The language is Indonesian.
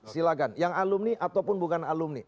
silahkan yang alumni ataupun bukan alumni